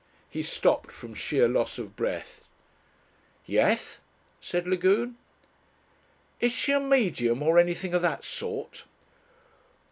He stopped from sheer loss of breath. "Yes?" said Lagune. "Is she a medium or anything of that sort?"